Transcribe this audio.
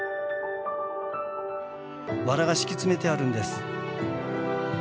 わらが敷き詰めてあるんです。